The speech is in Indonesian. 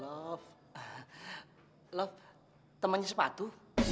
loob temennya sepatu